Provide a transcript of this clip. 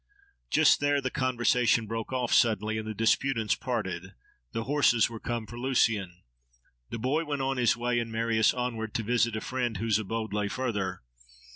Just there the conversation broke off suddenly, and the disputants parted. The horses were come for Lucian. The boy went on his way, and Marius onward, to visit a friend whose abode lay further.